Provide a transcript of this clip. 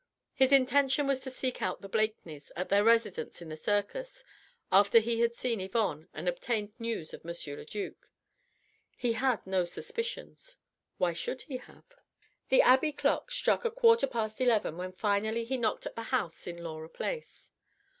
His intention was to seek out the Blakeneys at their residence in the Circus after he had seen Yvonne and obtained news of M. le duc. He had no suspicions. Why should he have? The Abbey clock struck a quarter past eleven when finally he knocked at the house in Laura Place.